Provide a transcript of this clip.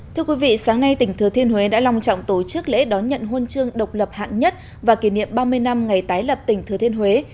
thưa quý vị sáng nay tỉnh thừa thiên huế đã lòng trọng tổ chức lễ đón nhận huân chương độc lập hạng nhất và kỷ niệm ba mươi năm ngày tái lập tỉnh thừa thiên huế